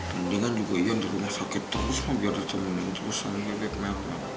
mendingan juga ian di rumah sakit terus mak biar ditemuinin terus sama beb melnya